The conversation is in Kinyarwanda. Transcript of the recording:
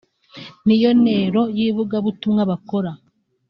ni yo ntero y'ivugabutumwa bakora